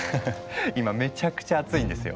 今めちゃくちゃ熱いんですよ。